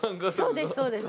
そうですそうです。